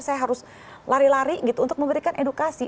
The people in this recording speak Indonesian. saya harus lari lari gitu untuk memberikan edukasi